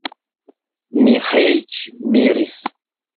Miĥeiĉ miris.